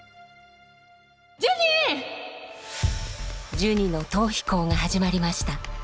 ジュニの逃避行が始まりました。